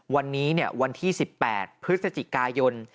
วันนี้วันที่๑๘พฤศจิกายน